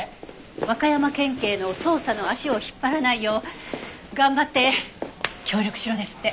和歌山県警の捜査の足を引っ張らないよう頑張って協力しろですって。